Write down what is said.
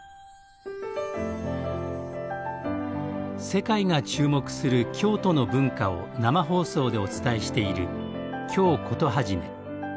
世界が注目する京都の文化を生放送でお伝えしている「京コトはじめ」。